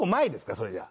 それじゃあ。